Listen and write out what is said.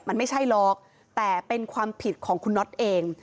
มันไม่ใช่หรอกแต่เป็นความผิดของคุณน็อตเอง